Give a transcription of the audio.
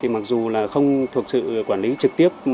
mặc dù không thuộc sự quản lý trực tiếp